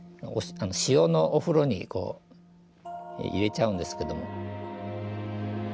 塩のお風呂に入れちゃうんですけども。